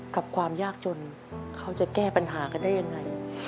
ความยากจนเขาจะแก้ปัญหากันได้ยังไง